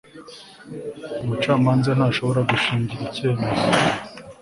Umucamanza ntashobora gushingira icyemezo